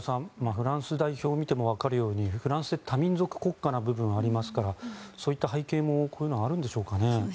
フランス代表を見てもわかるように、フランスは多民族国家な部分がありますからそういった背景もこういうのがあるんでしょうか。